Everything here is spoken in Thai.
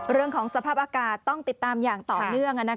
เรื่องของสภาพอากาศต้องติดตามอย่างต่อเนื่อง